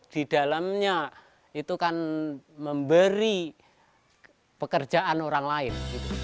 di dalamnya itu kan memberi pekerjaan orang lain